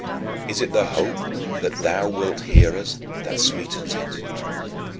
Is it the hope that thou wilt hear us that sweetens it?